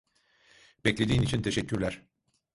Beklediğin için teşekkürler.